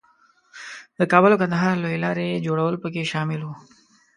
د کابل او کندهار لویې لارې جوړول پکې شامل وو.